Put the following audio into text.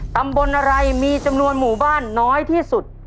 ตำบลอะไรมีจำนวนหมู่บ้านน้อยที่สุด